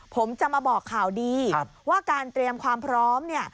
ผมจะมาบอกข่าวดีว่าการเตรียมความพร้อมเนี่ย